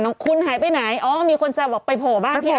น้องคุณหายไปไหนอ๋อมีคนแซวบอกไปโผ่บ้านพี่อ้ำ